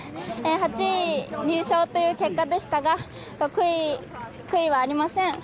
８位入賞という結果でしたが、悔いはありません。